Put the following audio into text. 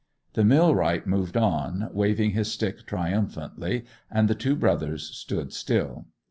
The millwright moved on, waving his stick triumphantly, and the two brothers stood still.